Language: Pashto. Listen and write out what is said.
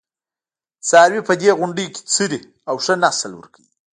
څاروي په دې غونډیو کې څري او ښه نسل ورکوي.